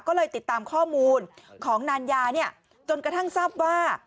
ก็เลยติดตามข้อมูลของนานยาเนี่ยจนกระทั่งทราบว่า